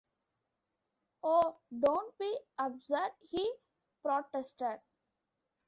"Oh, don't be absurd," he protested.